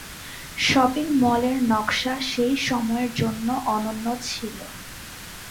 Shopping মলের নকশা সেই সময়ের জন্য অনন্য ছিল।